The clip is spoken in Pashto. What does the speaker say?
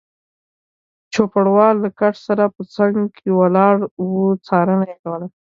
چوپړوال له کټ سره په څنګ کې ولاړ و، څارنه یې کوله.